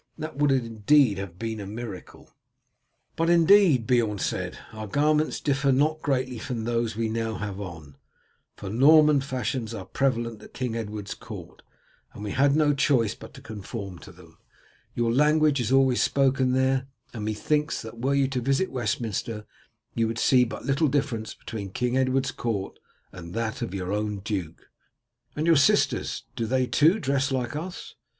That would indeed have been a miracle." "But, indeed," Beorn said, "our garments differ not greatly from those we now have on, for Norman fashions are prevalent at King Edward's court, and we had no choice but to conform to them. Your language is always spoken there, and methinks that were you to visit Westminster you would see but little difference between King Edward's court and that of your own duke." "And your sisters, do they too dress like us?"